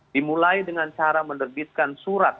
dimulai dengan cara menerbitkan surat